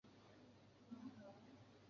冷链品质指标所订定的统一规范准则。